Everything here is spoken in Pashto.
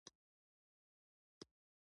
هغه څوک چې خواړه په چټکۍ سره خوري.